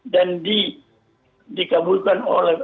dan dikabulkan oleh